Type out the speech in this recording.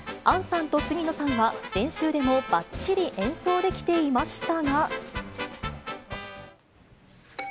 杏さんと杉野さんは練習でもばっちり演奏できていましたが。